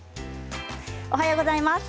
おはようございます。